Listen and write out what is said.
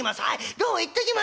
どうも行ってきます。